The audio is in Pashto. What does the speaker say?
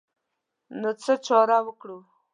نو څه چاره وکړو.